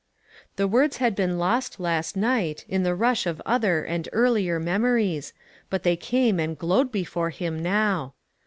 The words had been lost last night, in the rush of other and earlier memories, but 286 ONE COMMONPLACE DAY. they came and glowed before him now.